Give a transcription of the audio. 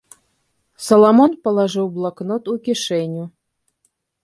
Саламон палажыў блакнот у кішэню.